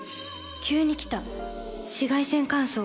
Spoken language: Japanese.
急に来た紫外線乾燥。